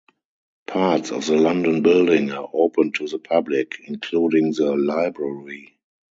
Parts of the London building are open to the public, including the Library.